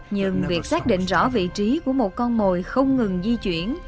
nhưng việc xác định rõ vị trí của một con mồi không ngừng di chuyển